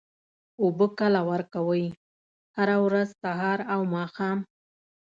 اوبه کله ورکوئ؟ هره ورځ، سهار او ماښام